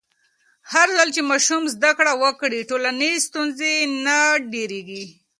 هرځل چې ماشوم زده کړه وکړي، ټولنیز ستونزې نه ډېرېږي.